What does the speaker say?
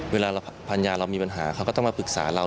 เวลาภรรยาเรามีปัญหาเขาก็ต้องมาปรึกษาเรา